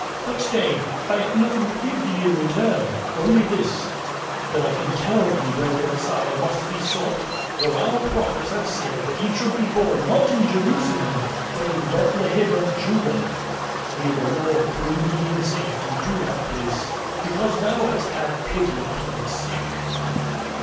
But stay; I have nothing to give thee in return only this: that I can tell thee where the Messiah must be sought. For our prophets have said that he should be born not in Jerusalem, but in Bethlehem of Judah. May the Lord bring thee in safety to that place, because thou hast had pity upon the sick."